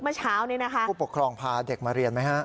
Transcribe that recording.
เมื่อเช้านี้นะคะผู้ปกครองพาเด็กมาเรียนไหมฮะ